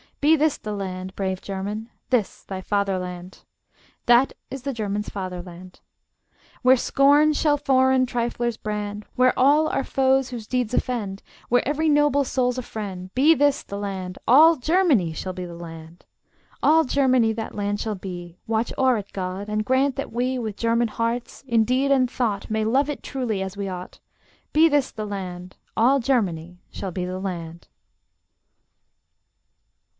Be this the land, Brave German, this thy fatherland! That is the German's fatherland! Where scorn shall foreign triflers brand, Where all are foes whose deeds offend, Where every noble soul's a friend: Be this the land, All Germany shall be the land! All Germany that land shall be: Watch o'er it, God, and grant that we, With German hearts, in deed and thought, May love it truly as we ought. Be this the land, All Germany shall be the land!